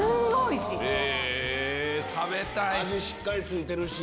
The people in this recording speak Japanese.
しっかり付いてるし。